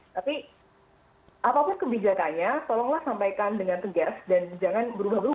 tapi apapun kebijakannya tolonglah sampaikan dengan tegas dan jangan berubah berubah